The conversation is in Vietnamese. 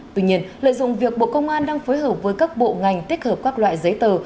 tuy nhiên lợi dụng việc bộ công an đang phối hợp với các bộ ngành tích hợp các loại giấy tờ